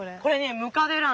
ムカデラン？